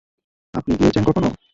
আপনি গিয়েছেন কখনো?